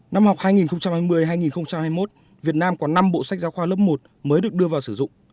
năm học hai nghìn hai mươi hai nghìn hai mươi một việt nam có năm bộ sách giáo khoa lớp một mới được đưa vào sử dụng